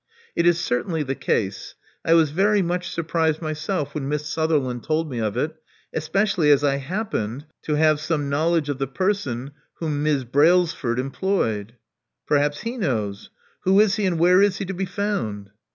" •*It is certainly the case. I was very much surprised myself when Miss Sutheriand told me of it, especially as I happened to have some knowledge of the person whom Miss Brailsford employed." "Perhaps he knows. Who is he and where is he to be found?"